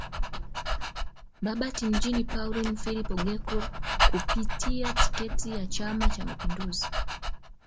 Babati Mjini Pauline Philipo Gekul kupitia tiketi ya Chama cha mapinduzi